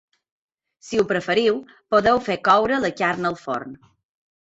Si ho preferiu, podeu fer coure la carn al forn.